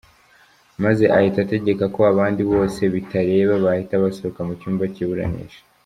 Maze ahita ategeka ko abandi bose bitareba bahita basohoka mu cyumba cy’iburanisha.